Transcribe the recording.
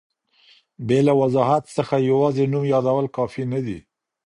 بې له وضاحت څخه یوازي نوم یادول کافي نه دي.